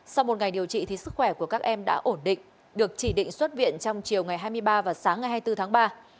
sau một ngày điều trị sức khỏe của các em đã ổn định được chỉ định xuất viện trong chiều ngày hai mươi ba và sáng ngày hai mươi bốn tháng ba